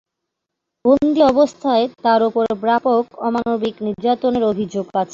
বন্দি অবস্থায় তার ওপর ব্যাপক অমানবিক নির্যাতনের অভিযোগ আছে।